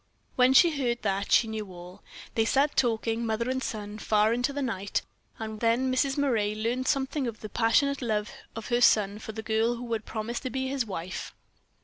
When she heard that she knew all. They sat talking, mother and son, far into the night; and then Mrs. Moray learned something of the passionate love of her son for the girl who had promised to be his wife.